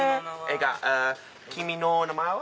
「君の名前は」？